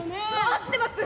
合ってます！